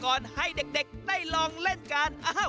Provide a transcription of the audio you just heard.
ก่อนให้เด็กได้ลองเล่นการ